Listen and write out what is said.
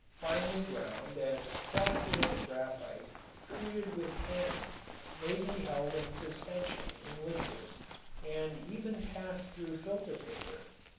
Finely ground and flocculent graphite treated with tannin may be held in suspension in liquids and even pass through filter paper.